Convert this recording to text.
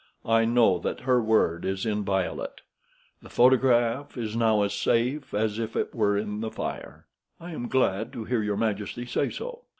I know that her word is inviolate. The photograph is now as safe as if it were in the fire." "I am glad to hear your majesty say so."